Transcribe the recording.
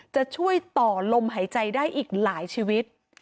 จะช่วยต่อลมหายใจได้อีกหลายชีวิต